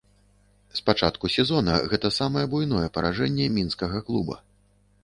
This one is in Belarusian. З пачатку сезона гэта самае буйное паражэнне мінскага клуба.